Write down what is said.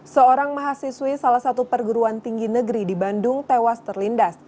seorang mahasiswi salah satu perguruan tinggi negeri di bandung tewas terlindas